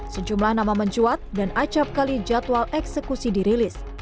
sejumlah nama mencuat dan acapkali jadwal eksekusi dirilis